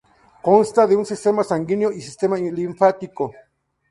Consta de un sistema sanguíneo y sistema linfático.